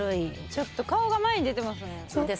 ちょっと顔が前に出てますね。